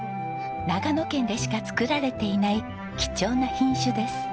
長野県でしか作られていない貴重な品種です。